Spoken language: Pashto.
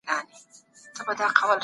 سیال هیواد قونسلي خدمات نه ځنډوي.